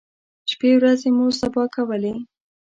شپی ورځې مو سبا کولې.